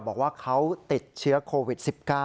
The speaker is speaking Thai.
บอกว่าเขาติดเชื้อโควิด๑๙